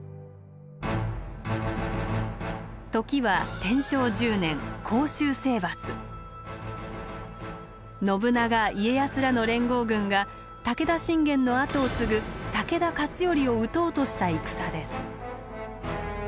時は天正１０年信長・家康らの連合軍が武田信玄の跡を継ぐ武田勝頼を討とうとした戦です。